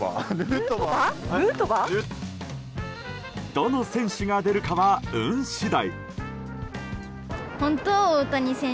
どの選手が出るかは運次第。